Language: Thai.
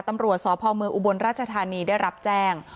ตำรวจสพเมืองอุบลราชธานีได้รับแจ้ง